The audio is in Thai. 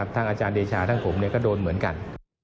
อาจารย์เดชาทั้งผมก็โดนเหมือนกัน